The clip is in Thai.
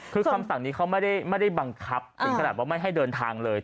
คือคำสั่งนี้เขาไม่ได้บังคับถึงขนาดว่าไม่ให้เดินทางเลย